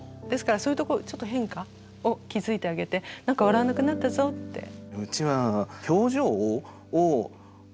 ですからそういうところちょっと変化を気付いてあげてなんか笑わなくなったぞって。